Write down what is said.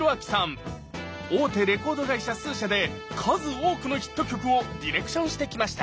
大手レコード会社数社で数多くのヒット曲をディレクションしてきました。